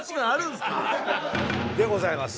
でございます。